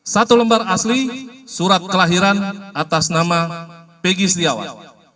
satu lembar asli surat kelahiran atas nama pg setiawan